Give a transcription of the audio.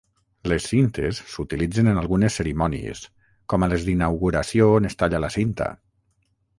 Les cintes s'utilitzen en algunes cerimònies, com a les d'inauguració on es talla la cinta.